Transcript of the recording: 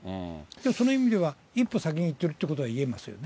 その意味では一歩先に行っているということはいえますよね。